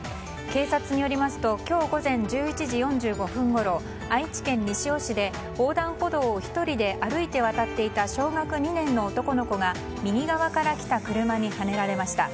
警察によりますと今日午前１１時４５分ごろ愛知県西尾市で、横断歩道を１人で歩いて渡っていた小学２年の男の子が右側から来た車にはねられました。